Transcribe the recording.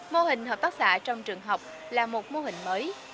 mô hình hợp tác xã trong trường học là một mô hình mới